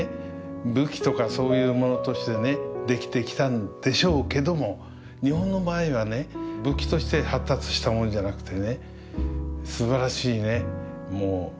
武器とかそういうものとしてね出来てきたんでしょうけども日本の場合はね武器として発達したものじゃなくてね